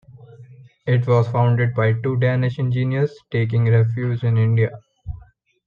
It was founded by two Danish engineers taking refuge in India.